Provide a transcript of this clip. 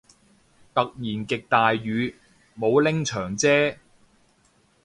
突然極大雨，冇拎長遮